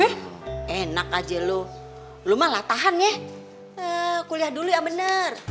eh enak aja lo lo mah latahan ya kuliah dulu ya bener